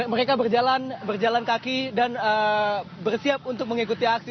mereka berjalan kaki dan bersiap untuk mengikuti aksi